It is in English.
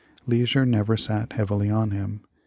Leisure never sat heavily on him.